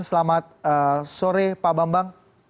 selamat sore pak bambang